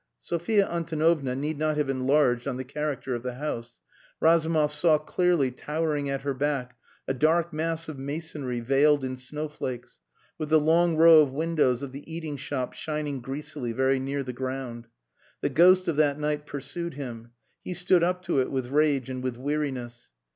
Sophia Antonovna need not have enlarged on the character of the house. Razumov saw clearly, towering at her back, a dark mass of masonry veiled in snowflakes, with the long row of windows of the eating shop shining greasily very near the ground. The ghost of that night pursued him. He stood up to it with rage and with weariness.